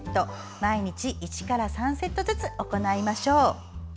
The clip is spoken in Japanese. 毎日１から３セットずつ行いましょう。